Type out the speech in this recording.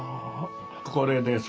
これです。